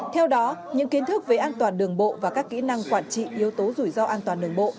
theo đó những kiến thức về an toàn đường bộ và các kỹ năng quản trị yếu tố rủi ro an toàn đường bộ